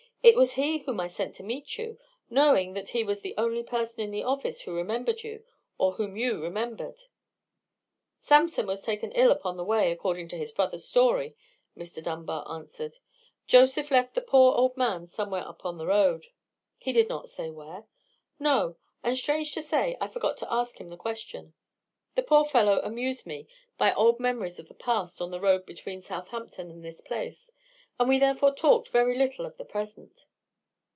"It was he whom I sent to meet you, knowing that he was the only person in the office who remembered you, or whom you remembered." "Sampson was taken ill upon the way, according to his brother's story," Mr. Dunbar answered. "Joseph left the poor old man somewhere upon the road." "He did not say where?" "No; and, strange to say, I forgot to ask him the question. The poor fellow amused me by old memories of the past on the road between Southampton and this place, and we therefore talked very little of the present."